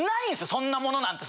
そんなものなんて。